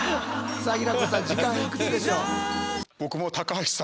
さあ平子さん時間いくつでしょう？